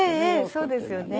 そうですよね。